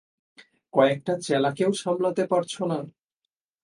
কযেকটা চেলাকেও সামলাতে পারছো না?